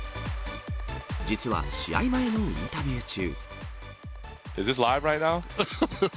実は、試合前のインタビュー中。